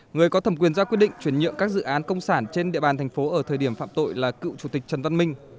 người có thẩm quyền ra quyết định chuyển nhượng các dự án công sản trên địa bàn thành phố ở thời điểm phạm tội là cựu chủ tịch trần văn minh